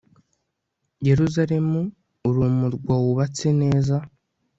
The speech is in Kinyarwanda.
yeruzalemu, uri umurwa wubatse neza